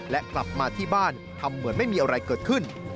และกลับมาที่บ้านทำเหมือนไม่มีอะไรเกิดขึ้น